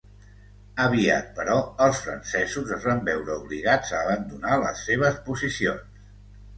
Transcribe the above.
Aviat, però, els francesos es van veure obligats a abandonar les seves posicions.